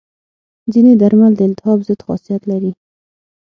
ځینې درمل د التهاب ضد خاصیت لري.